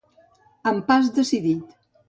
Amb pas decidit.